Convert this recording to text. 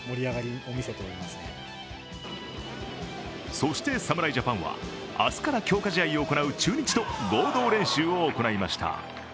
そして侍ジャパンは明日から強化試合を行う中日と合同練習を行いました。